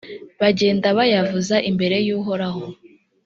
bagenda bayavuza imbere y’uhoraho.